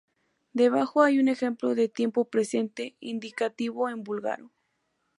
Debajo hay un ejemplo de tiempo presente indicativo en búlgaro.